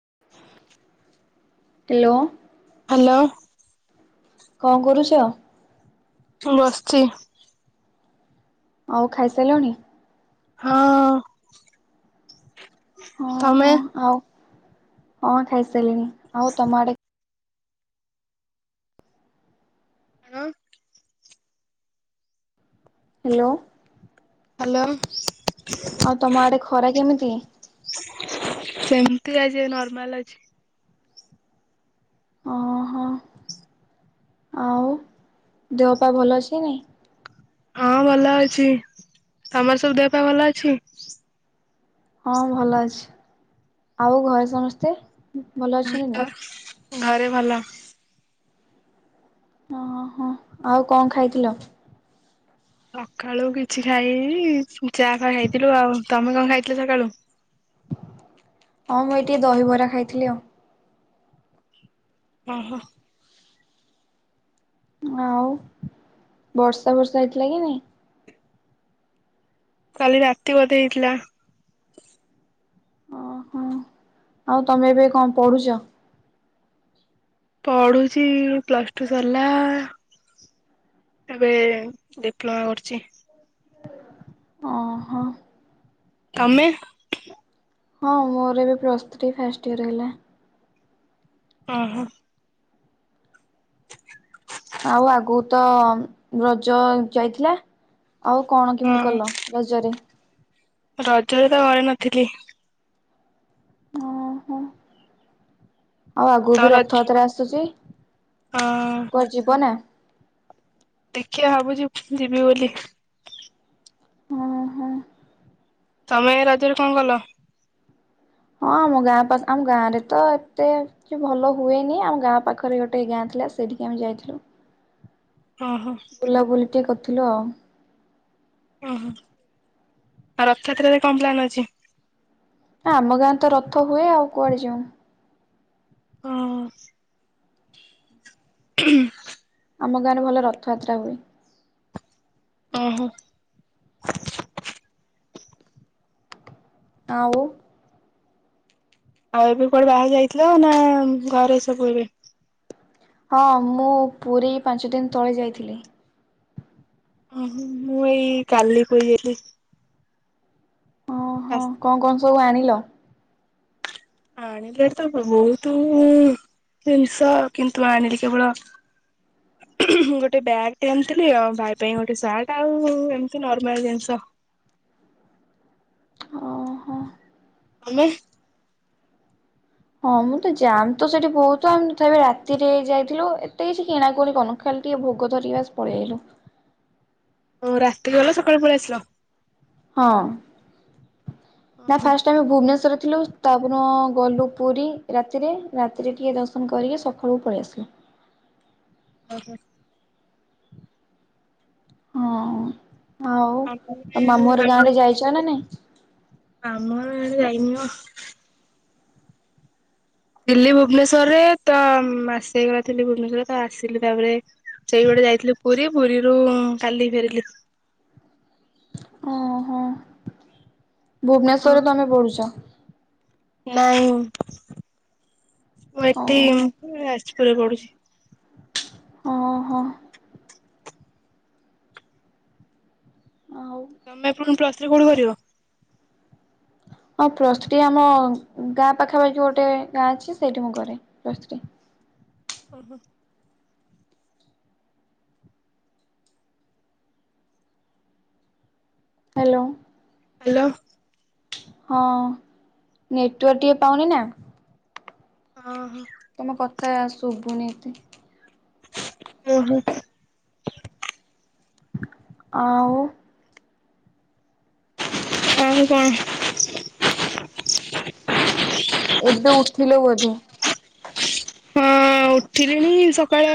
[inaudible] Hello! Hello! କଣ କରୁଛ? ମୁଁ, ବସଚି। ଆଉ ଖାଇସାଇଲଣି? ହଁ। ହଁ ତମେ? ହଁ ଆଉ ହଁ ଖାଇସାରିଲଣି ଆଉ ତମ ଆଡେ ହଲୋ ହାଲୋ ହାଲୋ ଆଉ ତମ ଆଡ଼୍ ଖରା କେମିତି ସେମିତି ଆଜି ନର୍ମାଲ ଅଛି ଓ ହୋ ଆଉ ଦେହପା ଭଲ ଅଛିେ ନାଇଁ ହଁ ଭଲ ଅଛି ତମର ସବୁ ଦେହ ପାଇଁ ଭଲ ଅଛି ହଁ ଭଲ ଅଛି ଆଉ ଘରେ ସମସ୍ତେ ଭଲ ଅଛନ୍ତି ନା ଘରେ ଭଲ ଓ ହୋ ଆଉ କଣ ଖାଇଥିଲ ସକାଳୁ କିଛି ଖାଇନି ଚାହା ଖ ଖାଇଥିଲୁ ଆଉ ତମେ କଣ ଖାଇଥିଲ ସକାଳୁ [inaudible] ହଁ ମୁଁ ଏ ଟିକେ ଦହିବରା ଖାଇଥିଲି ଆଉ ଓ ହୋ ଆଉ ବର୍ଷା ବର୍ଷା ହେଇଥିଲା କି ନାଇଁ କାଲି ରାତି ବୋଧେ ହେଇଥିଲା ଓହୋ ଆଉ ତମେ ଏବେ କଣ ପଢୁଛ ପଢୁଚ ପ୍ଲସ ଟୁ ସରିଲା ଏବେ ଡିପ୍ଲୋମା କରୁଛି ଓ ହୋ ତମେ? ହଁ ମୋର ଏବେ ପ୍ଲସ୍ ଥ୍ରୀ ଫାଷ୍ଟ୍ ଇୟର ହେଲା ହ ହୋ ଆଉ ଆଗକୁ ତ ରଜ ଯାଇଥିଲା ଆଉ କଣ କେମିତି ହଁ କଲ ରଜରେ ରଜରେ ତ ଘରେ ନଥିଲି ହଁ ହୋ ଆଉ ଆଗକୁ ତ ବି ରଜ ରଥଯାତ୍ରା ଆସୁଛି। ହଁ କୁଆଡ଼େ ଯିବ ନା ଦେଖିବା ଭାବୁଛି ଯିବି ବୋଲି। ହୁଁ ହୁଁ। ତମେ ରଜରେ କଣ କଲ। ହଁ ଆମ ଗାଁ ପାଖ ଆମ ଗାଁ ରେ ତ ଏତେ କିଛି ଭଲ ହୁଏନି ଆମ ଗାଁ ପାଖରେ ଗୋଟେଇ ଗାଁ। ସେଠିକି ଆମେ ଯାଇଥିଲୁ ଓହୋ ବୁଲାବୁଲି ଟିକେ କରିଥିଲୁ ଆଉ। ଓହୋ ଆଉ ରଥଯାତ୍ରାରେ କଣ ପ୍ଲାନ୍ ଅଛି? ଆମ ଗାଁ ତ ରଥ ହୁଏ ଆଉ କୁଆଡ଼େ ଯିଉଁ। ହଁ ଉହୁଁ। ଆମ ଗାଁରେ ଭଲ ରଥଯାତ୍ରା ହୁଏ। ଓହୋ। ଆଉ ଆଉ ଏବେ କୁଆଡେ ବାହାର ଯାଇଥିଲ ନା ଘରେ ସବୁ ଏବେ। ହଁ ମୁଁ ପୁରୀ ପାଞ୍ଚ ଦିନ ତଳେ ଯାଇଥିଲି। ଓହୋ ମୁଁ ଏଇ କାଲି ପୁରୀ ଯାଇଥିଲି। ଓହୋ ଆସିଥିଲି। କଣ କଣ ସବୁ ଆଣିଲ। ଆଣିଲେ ତମ ବହୁତୁ ଜିନିଷ କିନ୍ତୁ ଆଣିଲି କେବଳ [inaudible] ହୁଁ ଗୋଟେ ବ୍ୟାଗ୍ ଟେ ଆଶିଥିଲି ଆଉ ଭାଇ ପାଇଁ ଗୋଟେ ସାର୍ଟ ଆଉ ଏମତି ନର୍ମାଲ ଜିନିଷ [inaudible] ଓହୋ। ଆମେ। ହଁ ମୁଁ ତ ଯାାମ ତ ସେଠି ବହୁତ ଆମେଥାି ରାତିରେ ଯାଇଥିଲୁ ଏତେ କିଛି କିଣାକଣି କନ ଖା ଟିକେ ଭୋଗତ ଧରିକି ବାସ ପଳେଇଲୁ। ଓ ରାତି ଗଲା ସକାଳେ ପଳେେଇ ଆସିଲ। ହଁ ନା ଓହୋ ଫାଷ୍ଟ ଆମେ ଭୁବନେଶ୍ୱର। ଥିଲୁ ତାପ ଗଲୁ ପୁରୀ ରାତିରେ ରାତିରେ ଟିକେ ଦର୍ଶନ କରିକି ସକାଳୁ ପଳେଇ ଆସିଲୁ। [inaudible] ଓ ହୋ। ହଁ ଆଉ ତ ଆମେ ମାମୁଁର ଗାଁରେ ଯାଇଛ ନା ନାଇଁ। ମାମୁ ଘର ଆଡେ ଯାଇନିମା। ଥିଲି ଭୁବନେଶ୍ଵରରେ ତ ଆସେ ହେଇଗଲା ଥିଲି ଭୁବନେଶ୍ଵରରେ ତ ଆସିଲି ତାପରେ ସେଇଭଡ ଯାଇଥିଲି ପୁରୀ ପୁରୀରୁ କାଲି ଫେରିଲୁ। ହ ଭୁବନେଶ୍ଵରରେ ତମେ ପଢୁଛ। ନାଇଁ ମୁଁ ଏଠି ଓହୋ ଉପରେ ପଡୁଛି। ଅ ହଁ। ଆଉ ତମେ ପୁଣି ପ୍ଲସଥ୍ରୀ କୋଉଠି କରିବ। ହ ହଁ ପ୍ଲସ୍ତ୍ରୀ ଆମ ଗାଁ ପାଖାପାଖି ଗୋଟେ ଗାଁ ଅଛି ସେଇଠି ମୁଁ କରେ ପ୍ଲସ୍ ଥ୍ରୀ। [inaudible] ଓହୋ। ହ୍ୟାଲୋ। ହାଲୋ। ହଁ ନେଟୱର୍କ ଟିକେ ପାଉନି ନା। ହଁ ହ। ତମେ କଥା ଆ ସବୁନି ଏତେ। ଓ ହୋ। ଆଉ ଆଉ କଣ ଏବେ ଉଠିଲୁ ବୋଧେ? ହଁ ଉଠିଲିଣି ସକାଳ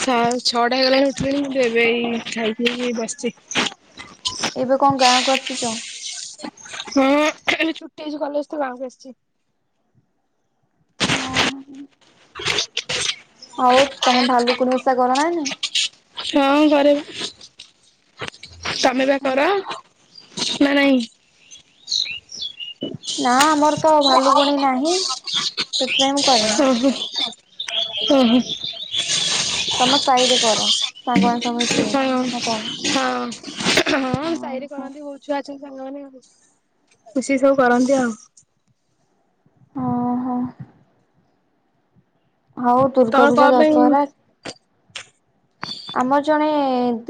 ଛଅଟା ହେଇଗଲାଣି ଉଠଥିଲି ମୁ ଏବେଇ ଖାଇଥିଲି ବସିଛି। ଏବେ କଣ [unintelligible] ହୁଁ ଛୁଟି ହେଇଛି କଲେଜ ତ ଗାଁକୁ ଆସିଛି। [unintelligible] ଆଉ, ତମେ ଭାଲୁକୁଣି ଓଷା କର ନା ନାହିଁ? ହଁ କରେ। ତମେ ବା କର ନା ନାଇଁ। [unintelligible] ନାଁ ଆମର ତ ଭାଲୁକୁଣି ନାହିଁ ସେଥିପାଇଁ ମୁଁ କରେନି। ହୁଁ। [unintelligible] ତମ ସାଇ ରେ କର। ସାଙ୍ଗମାନେ ସବୁ ହୁଁ ମିଶିକି ହଁ। ନା କଣ? ହଁ ସାହିରେ କରନ୍ତି ବୋହୁତ ଓହୋ ଛୁଆ ଅଛନ୍ତି ସାଙ୍ଗମାନେ। ମିଶିକି ସବୁ କରନ୍ତି ଆଉ। ହଁ ହୋ। ହଉ ଦୁର୍ଗା ତମର ପୂଜା କଣ ପାଇଁ ଦଶହରା ଆମର ଜଣେ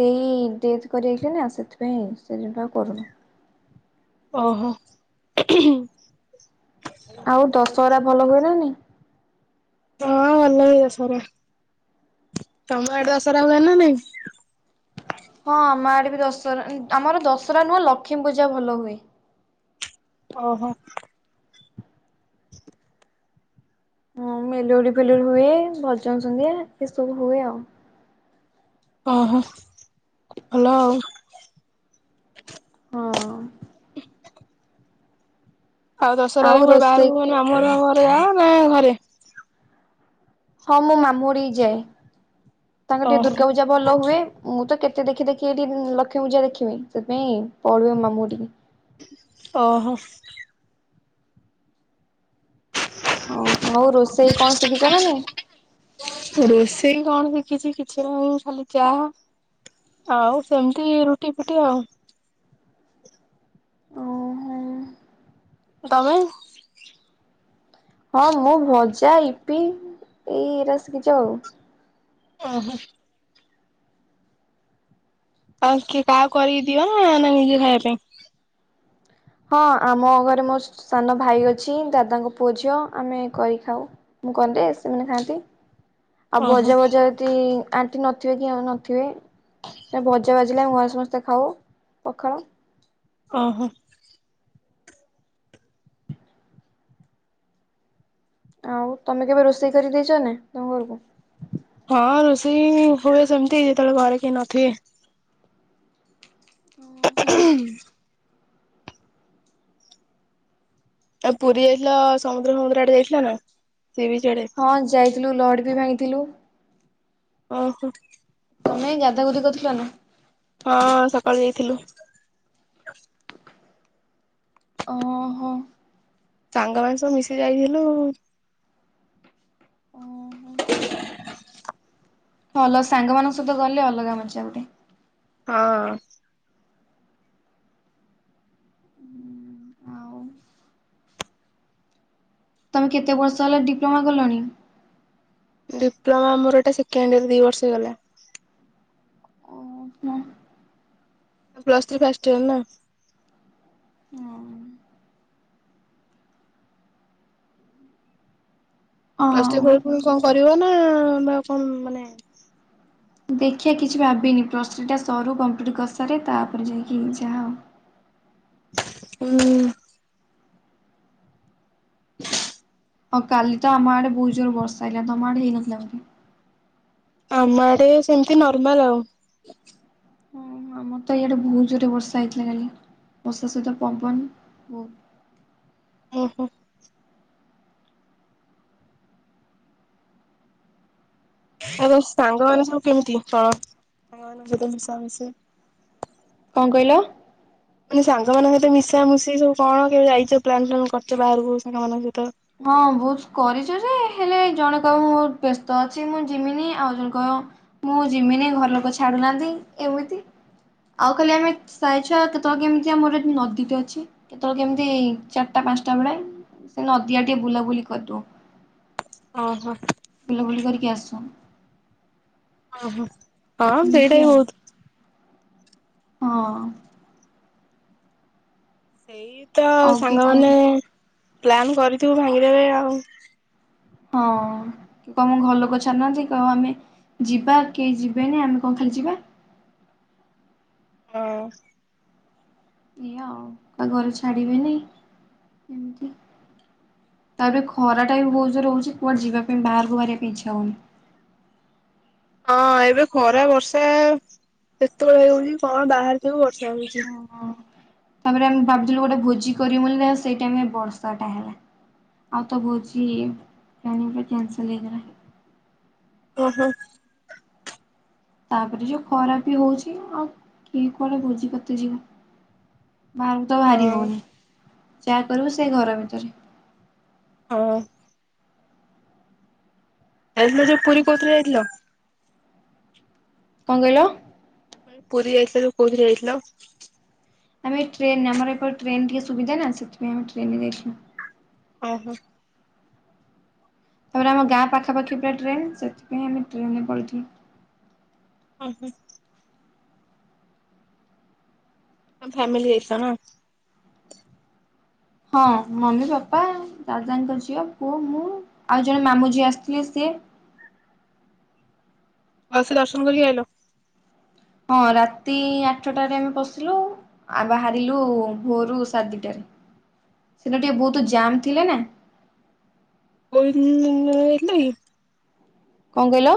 ଦେଇ ଡେଥ୍ କରିଯାଇଥିଲେ ନା ସେଥିପାଇଁ ସେଦିନ ଠୁ ଆଉ କରୁନି। ଓହୋ। ଆଉ ଦଶହରା ଭଲ ହୁଏ ନା ନାଇ। ହଁ ଭଲ ହେଇଦ ସରେ। ତମ ଆଡେ ଦଶହରା ହୁଏ ନା ନାଇଁ? ହଁ ଆମ ଆଡେ ବି ଦଶହରା ଆମର ଦଶହରା ନୁହଁ ଲକ୍ଷ୍ମୀ ପୂଜା ଭଲ ହୁଏ। ଓହୋ। [unintelligible] ହଁ ମେଲୋଡ଼ି ଫେଲୋଡି ହୁଏ। ଭଜନ ସନ୍ଧ୍ୟା ଏସବୁ ହୁଏ ଆଉ। ଓ ହୋ ଭଲ ଆଉ। ହଁ। ଆଉ ଦଶହରାରେରେ କୁଆଡେ ବାହାରକୁ ମାନେ ମାମୁଁ ହର ଘରେ ଯାଅ ନା ଘରେ। ହଁ ମୁଁ ମାମୁ ହରିଠିକି ଯାଏ। ତାଙ୍କର ଟିକେ ଓହୋ ଦୁର୍ଗା ପୂଜା ଭଲ ହୁଏ। ମୁଁ ତ କେତେ ଦେଖି ଦେଖି ଏଠି ଲକ୍ଷ୍ମୀ ପୂଜା ଦେଖିନି ସେଥିପାଇଁ ପଲେଇବି ମାମୁଁ ହର ଠିକି। ଓହୋ। ଓ ଆଉ ରୋଷେଇ କଣ ଶିଖିଛ ନା ନାଇଁ? କିଛି କିଛି ମୁଁ ଖାଲି ଚା ଆଉ ସେମିତି ରୁଟି ଫୁଟି ଆଉ। ତମେ। ହଁ ମୁଁ ଭଜା, ଇପି ଏଇରା ଶିଖିଛି ଆଉ। ଓହୋ। ଆଉ କି କାହା କରି ଦିଅ ନା ନିଜେ ଖାଇବା ପାଇଁ। ହଁ ଆମ ଘରେ ମୋ ସାନଭାଈ ଅଛି ଦାଦାଙ୍କ ପୁଅ ଝିଅ ଆମେ କରି ଖାଉ। ମୁଁ କରିଦେ ସେମାନେ ଖାଆନ୍ତି। ଆଉ ଓହୋ ଭଜା ଭଜା ଯଦି ଆଣ୍ଟି ନଥିବେ କି ଏଉ ନଥିବେ ଭଜା ଭଜ ପିଲା ଉଁ ଆମେ ସମସ୍ତେ ଖାଉ ପଖାଳ। ଓହୋ। ଆଉ ତମେ କେବେ ରୋଷେଇ କରିଦେଇଛ କି ନାଇଁ ତମ ଘରକୁ? ହଁ ରୋଷେଇ ହୁଏ ସେମତି ଯେତେବେଳେ ଘରେ କେହି ନଥିବେ। ଓ ହୋ ଆଉ ପୁରୀ ଯାଇଥିଲ ସମୁଦ୍ର ସମୁଦ୍ର ଆଡେ ଯାଇଥିଲା ନା। ସି ବିଚ୍ ଆଡେ ହଁ ଯାଇଥିଲୁ ଲହଡିବି ଭାଙ୍ଗିଥିଲୁ। ଓହୋ କ ନାଇଁ ଗାଧାଗୁଧି କରିଥିଲ ନା। ହଁ ସକାଳୁ ଯାଇଥିଲୁ। ଓ ହୋ ସାଙ୍ଗମାନେ ସବୁ ମିଶିକି ଯାଇଥିଲୁ। ଓ ହୋ ଭଲ ସାଙ୍ଗମାନଙ୍କ ସହିତ ଗଲେ ଅଲଗା ମଜା ଗୋଟେ। ହଁ ଆଉ ତମେ କେତେ ବର୍ଷ ହେଲା ଡିପ୍ଲୋମା କଲଣି? ଡିପ୍ଲୋମା ମୋର ଏଟା ସେକେଣ୍ଡ ଇୟର ଦି ବର୍ଷ ହେଇଗଲା। ଓ ହୋ ପ୍ଲସଥ୍ରୀ ଫାଷ୍ଟୟାର ଓହୋ। ପ୍ଲସଥ୍ରୀ ପରେ ହଁ ପୁଣି କଣ କରିବ ନା ବା କଣ ମାନେ ଦେଖିବା କିଛି ଭାବିନି ପ୍ଲସ୍ଥ୍ରୀଟା ସରୁ କମ୍ପ୍ଲିଟ୍ କରିସାରେ ତାପରେ ଯାଇକି ଯାହା। ହୁଁ ହଉ କାଲି ତ ଆମ ଆଡେ ବହୁତ ଜୋର ବର୍ଷା ହେଇଲାଣି ତ ଆମ ଆଡେ ହେଇନଥିଲା ବୋଧେ। ଆମ ଆଡେ ସେମିତି ନର୍ମାଲ ଆଉ। ଓ ଆମର ତ ଇଆଡେ ବହୁତ ଜୋରେ ବର୍ଷା ହେଇଥିଲା କାଲି। ବର୍ଷା ସହିିତ ପବନ୍ ଓହୋ ଆଉ ତମ ସାଙ୍ଗମାନେ ସବୁ କେମିତି କଣ, ସାଙ୍ଗ ମାନଙ୍କ ସହିତ ମିଶାମିଶି କଣ କହିଲ? ମାନେ ସାଙ୍ଗମାନଙ୍କ ସହିତ ମିଶାମଶି ସବୁ କଣ କେବେ ଯାଇଛ ପ୍ଲାନ ଫ୍ଲାନ୍ କରୁଛ ବାହାରକୁ ସାଙ୍ଗମାନଙ୍କ ସହିତ। ହଁ ବହୁତ କରିଛୁ ଯେ- ହେଲେ ଜଣେ କହିବ ବହୁତ ବ୍ୟସ୍ତ ଅଛି ମୁଁ ଜିମିନି, ଆଉ ଜଣେ କହିବ ମୁଁ ଯିମିନି ଘର ଲୋକ ଛାଡୁନାହାନ୍ତି, ଏମିତି। ଆଉ ଖାଲି ଆମେ ସାହିଛୁଆ କେତେବେଳେ କେମିତି ଆମର ନଦୀଟ ଅଛି, କେତେବେଳେ କେମିତି ଚାରିଟା ପାଞ୍ଚଟା ବେଳେ ସେ ନଦିଆଡେ ଟିକେ ବୁଲାବୁଲି କରିଦଉ। ଓହୋ ବୁଲାବୁଲି କରିକି ଆସୁ। ଓ ହୋ ହଁ ଏମିତି ବେଡେ ଆଉ ହଉତ [inaudible] ହଁ ଏଇ ତ ଆଉ କିଏ କହିବ ସାଙ୍ଗମାନେ ପ୍ଲାନ୍ କରିଥିବୁ ଭାଙ୍ଗିଦେବେ ଆଉ। ହଁ କମ ଘର ଲୋକ ଛଡନାହାନ୍ତି କ ଆମେ ଯିବା କେହି ଯିବେନି ଆମେ କଣ ଖାଲି ଯିବା? ହଁ ଏଇଆା ଆଉ ତା ଘରେ ଛାଡିବେନାଇ ଏମତି। ତାପରେ ଖରାଟା ବି ବହୁତ ଜୋରେହଉଚି କୁଆଡେ ଯିବା ପାଇଁ ବାହାରକୁ ବାହାରିବା ପାଇଁ ଇଚ୍ଛା ହଉନି। [inaudible] ହଁ ଏବେ ଖରା ବର୍ଷା କେତେବେଳେ ହେଉଛୀ କଣ ବାହାରି ଥିବୁ ବର୍ଷା ହଉଛି। ହଁ ହଁ। ତାପରେ ଆମେ ଭାବୁଥିଲୁ ଗୋଟେ ଭୋଜି କରିବୁ ବୋଲି ସେଇଟାଇମିରେ ବର୍ଷାଟା ହେଲା। ଆଉ ତ ଭୋଜି ପାଣି ଉପ କ୍ୟାନ୍ସଲ ହେଇଗଲା। [inaudible] ଓ ହଁ ତାପରେ ଯୋଉ ଖରାପ ବି ହଉଛି ଆଉ କି କୁଆଡେ ଭୋଜିଭାତ ଯିବ। ବାହାରକୁ ତ ବାହାରି ହଁ ହଉନି, ଯାହା କରିବୁ ସେଇ ଘର ଭିତରେ। ହଁ ଆ ଯୋଉ ପୁରୀ କୋଉଥିରେ ଯାଇଥିଲ? କଣ କହିଲ? ପୁରୀ ଯାଇଥିଲୁ କୋଉଥିରେ ଯାଇଥିଲ? ଆମେ ଟ୍ରେନ ଆମର ଏପଟ ଟ୍ରେନ ଟିକେ ସୁବିଧା ନା ସେଥିପାଇଁ ଆମେ ଟ୍ରେନରେ ଯାଇଥିଲୁ। ଓ ହୋ ତାପରେ ଆମ ଗାଁ ପାଖାପାଖି ପୁରା ଟ୍ରେନ ସେଥିପାଇଁ ଆମେ ଟ୍ରେନରେ ପଳେଇଥିଲୁ। ଓ ହୋ ତମ ଫ୍ୟାମିଲି ଯାଇଥିଲ ନା? ହଁ ମମି ବାପା ଦାଦାଙ୍କ ଝିଅ ପୁଅ ମୁଁ ଆଉ ଜଣେ ମାମୁ ଝିଅ ଆସିଥିଲେ ସିଏ [unintelligible] ଭଲସେ ଦର୍ଶନ କରିକି ଆଇଲ? ହଁ ରାତି ଆଠଟାରେ ଆମେ ପଶିଲୁ ଆଉ ବାହାରିଲୁ ଭୋରୁ ସାଢେ ଦିଟାରେ ସେଟା ଟିକେ ବହୁତ ଜାମ୍ ଥିଲା ନା କୋଇ ହେଲା [unintelligible] କଣ କହିଲ?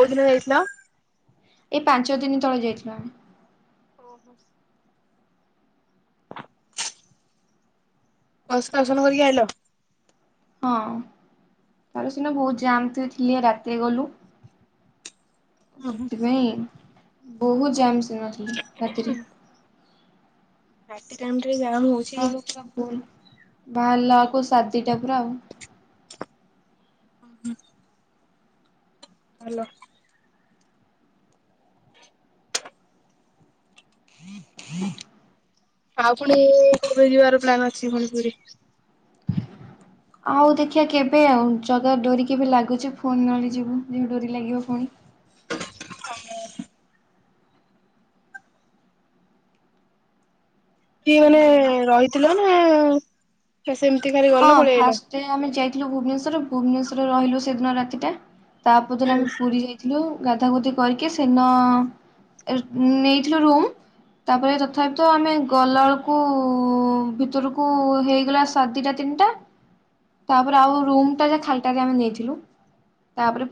କଉଦିନ ଯାଇଥିଲ? ଏଇ ପାଞ୍ଚ ଦିନ ତଳେ ଯାଇଥିଲୁ ଆମେ ଓହୋ ଅସନାସନ କରିକି ଆଲ [unintelligible] ହଁ ତାର ସିନା ବହୁତ ଜାମ୍ ଥିଲା ରାତିରେ ଗଲୁ ସେଥିପାଇଁ ବହୁତ ଜାମ ରାତିରେ ରାତି ଟାଇମ ରେ ଜାମ୍ ହଉଛି ସଖାଳୁ ପୂରା ଭୋରୁ ବାହାରିଲା କୁ ସା ଦିଟା ପୁରା ଆଉ। ଓ ହୋ। ଆଲୋ ି [unintelligible] ଆଉ ପୁଣି କେବେ ଯିବାର ପ୍ଲାନ୍ ଅଛି ପୁଣି ପୁରୀ? ହ [inaudible] ଆଉ ଦେଖିବା କେବେ ଆଉ ଜଗା ଡୋରି କେବେ ଲାଗୁଚି। ଫୁଣି ନହେଲେ ଯିବୁ ଯଦି ଡୋରି ଲାଗିବ ପୁଣି। କିଏ ମାନେ ରହିଥିଲ ନା ହେସ୍ ହଁ ଫାଷ୍ଟ ଆମେ ଯାଇଥିଲୁ ଭୁବନେଶ୍ଵର। ଭୁବନେଶ୍ବରରେ ରହିଲୁ ସେଦିନ ରାତିଟା। ତାପଦିନ ଆମେ ପୁରୀ ଯାଇଥିଲୁ। ଗାଧା ଗୋଧି କରିକି ସେନ ଏ ନେଇଥିଲୁ ରୁମ୍ ତାପରେ ତଥାପି ତ ଆମେ ଗଲାବେଳକୁ ଭିତରକୁ ହେଇଗଲା ସାଢେଦିଟା ତିନଟା ହୁଁ ତାପରେ ଆଉ ଯା ରୁମ୍ ଟା ଖାଲି ଟାରେ ଆମେ ନେଇଥିଲୁ। ତାପରେ